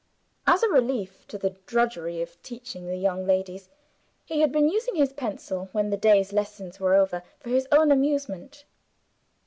As a relief to the drudgery of teaching the young ladies, he had been using his pencil, when the day's lessons were over, for his own amusement.